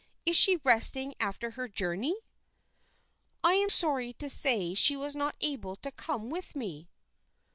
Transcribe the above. "Is she resting after her journey?" "I am sorry to say she was not able to come with me."